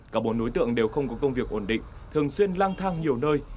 cả bốn đối tượng đều không có công việc ổn định thường xuyên lang thang nhiều nơi